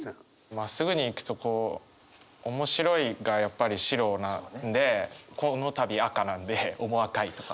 まっすぐにいくとこう面白いがやっぱり「白」なんでこのたび赤なんで面赤いとか。